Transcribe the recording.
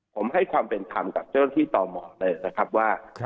ผมให้ความเป็นธรรมกับเจ้าหน้าที่ต่อหมอเลยนะครับว่า